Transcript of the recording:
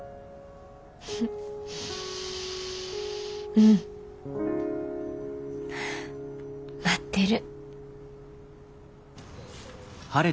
うん待ってる。